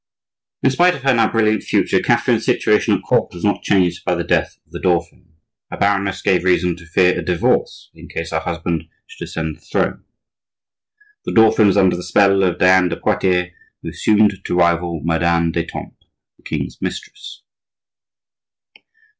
In spite of her now brilliant future, Catherine's situation at court was not changed by the death of the dauphin. Her barrenness gave reason to fear a divorce in case her husband should ascend the throne. The dauphin was under the spell of Diane de Poitiers, who assumed to rival Madame d'Etampes, the king's mistress.